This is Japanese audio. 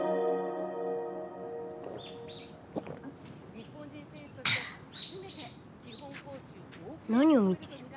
「日本人選手として初めて基本報酬５億円」何を見ている？